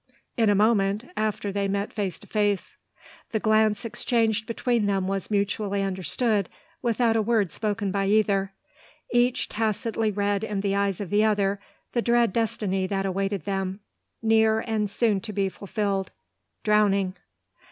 In a moment after they met face to face. The glance exchanged between them was mutually understood without a word spoken by either. Each tacitly read in the eyes of the other the dread destiny that awaited them, near, and soon to be fulfilled, drowning!